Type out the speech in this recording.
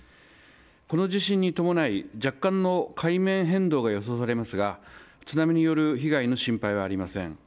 この地震に伴い若干の海面変動が予想されますが、津波による被害の心配はありません。